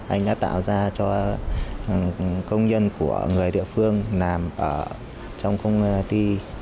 anh đã tạo ra cho công nhân của người địa phương làm ở trong công ty